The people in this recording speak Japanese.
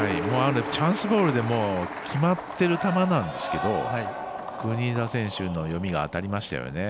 チャンスボールで決まっている球なんですけど国枝選手の読みが当たりましたよね。